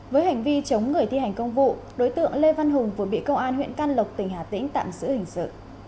với hành vi chống người thi hành công vụ đối tượng lê văn hùng vừa bị công an huyện can lộc tỉnh hà tĩnh tạm giữ hình sự